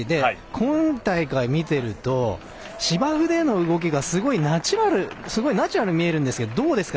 今大会、見ていると芝生での動きが、すごいナチュラルに見えるんですがどうですか？